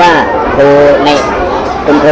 น้องน้องได้อยู่ทั้งส่วน